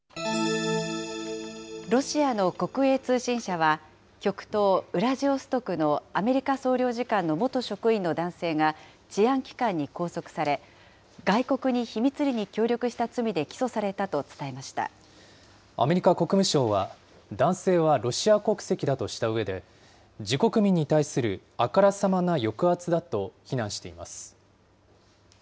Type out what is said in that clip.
ロシアの国営通信社は、極東ウラジオストクのアメリカ総領事館の元職員の男性が、治安機関に拘束され、外国に秘密裏に協力しアメリカ国務省は、男性はロシア国籍だとしたうえで、自国民に対するあからさまな抑圧だと非難しています。